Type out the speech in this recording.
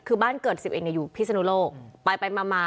คือบ้านเกิด๑๐เองอยู่พิศนุโลกไปมา